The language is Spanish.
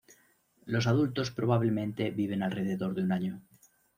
Los adultos probablemente viven alrededor de un año.